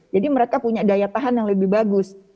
jadi mereka punya daya tahan yang lebih bagus